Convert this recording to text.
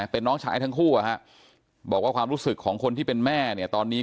เป็นน้องชายทั้งคู่บอกว่าความรู้สึกของคนที่เป็นแม่เนี่ยตอนนี้